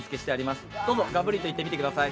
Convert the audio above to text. どうぞ、ガブリといってみてください。